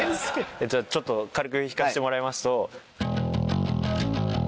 ちょっと軽く弾かせてもらいますと。